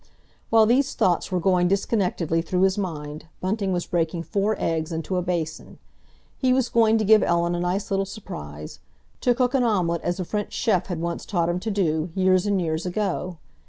While these thoughts were going disconnectedly through his mind, Bunting was breaking four eggs into a basin. He was going to give Ellen a nice little surprise—to cook an omelette as a French chef had once taught him to do, years and years ago.